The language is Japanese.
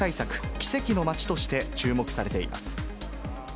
・奇跡の町として注目されています。